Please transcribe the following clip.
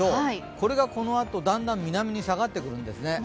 これがこのあと、だんだん南に下がってくるんですね。